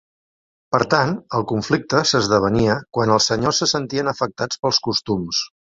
Per tant, el conflicte s'esdevenia quan els senyors se sentien afectats pels costums.